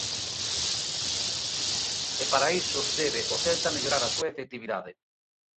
E para iso debe o Celta mellorar a súa efectividade.